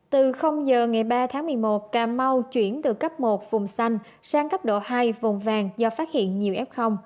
từ giờ ngày ba tháng một mươi một cà mau chuyển từ cấp một vùng xanh sang cấp độ hai vùng vàng do phát hiện nhiều f